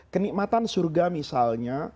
kenikmatan surga misalnya